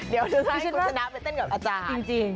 เดี๋ยวจะให้คุณชนะไปเต้นกับอาจารย์จริง